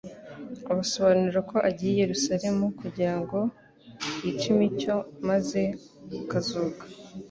Abasobanurira ko agiye i Yerusalemu kugira ngo yicimcyo maze akazuka.